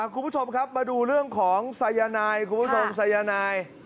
คุณผู้ชมครับมาดูเรื่องของสายนายคุณผู้ชมสายนาย